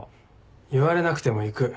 言われなくても行く。